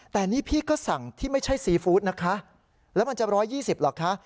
แต่นี่พี่ก็สั่งที่ไม่ใช่ซีฟู้ดนะคะแล้วมันจะ๑๒๐เหรอคะ